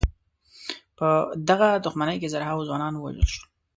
په دغه دښمنۍ کې زرهاوو ځوانان ووژل شول.